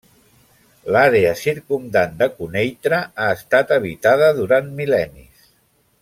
L'àrea circumdant de Quneitra ha estat habitada durant mil·lennis.